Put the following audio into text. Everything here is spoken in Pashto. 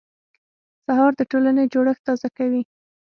سهار د ټولنې جوړښت تازه کوي.